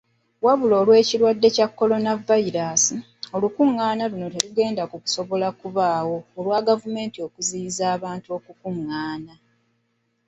Wabula olw'ekirwadde kya Kolonavayiraasi, olukungaana luno terugenda kusobola kubaawo olwa gavumenti okuziyiza abantu okukungaana.